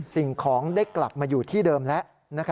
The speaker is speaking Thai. สิ่งของได้กลับมาอยู่ที่เดิมแล้ว